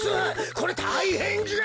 こりゃたいへんじゃ！